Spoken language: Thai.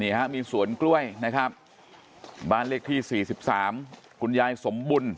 ฮะมีสวนกล้วยนะครับบ้านเลขที่๔๓คุณยายสมบุญ